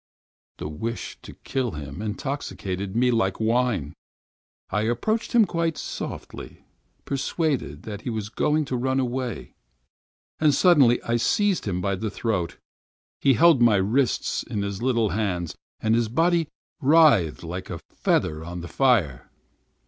The wish to kill him intoxicated me like wine. I approached him quite softly, persuaded that he was going to run away. And, suddenly, I seized him by the throat. He looked at me with terror in his eyes—such eyes! He held my wrists in his little hands and his body writhed like a feather over the fire.